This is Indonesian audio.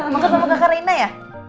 mau ketemu kakak rena ya